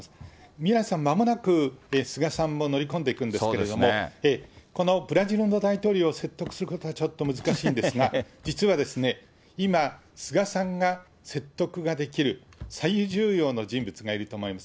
宮根さん、まもなく、菅さんも乗り込んでいくんですけれども、このブラジルの大統領を説得することはちょっと難しいんですが、実は今、菅さんが説得ができる最重要の人物がいると思います。